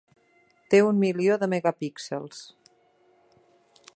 Té un milió de megapíxels.